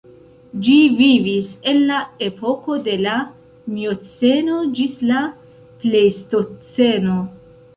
Ĝi vivis en la epoko de la Mioceno ĝis la Plejstoceno.